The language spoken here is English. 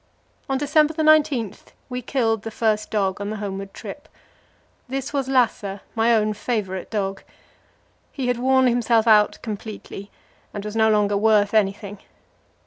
On December 19 we killed the first dog on the homeward trip. This was Lasse, my own favourite dog. He had worn himself out completely, and was no longer worth anything.